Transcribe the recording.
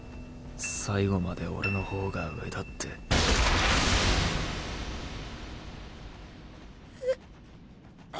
最後まで俺の方が上だって。え？